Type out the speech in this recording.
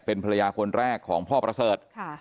เป็นภรรยาคนแรกของพ่อประเสริฐ